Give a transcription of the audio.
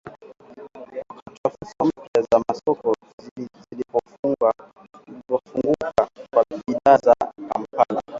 wakati fursa mpya za masoko zilipofunguka kwa bidhaa za Kampala